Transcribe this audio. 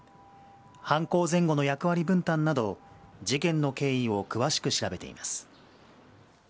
犯行前後の役割分担など、事件の経緯を詳しく調べています。